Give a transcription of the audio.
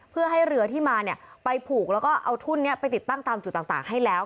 เพื่อให้เรือที่มาเนี่ยไปผูกแล้วก็เอาทุ่นนี้ไปติดตั้งตามจุดต่างให้แล้ว